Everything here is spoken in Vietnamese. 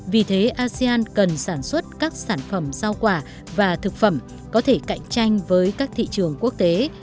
vì thế asean cần sản xuất các sản phẩm rau quả và thực phẩm có thể cạnh tranh với các thị trường quốc tế